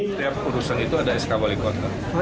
setiap urusan itu ada sk wali kota